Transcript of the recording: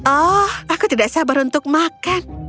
oh aku tidak sabar untuk makan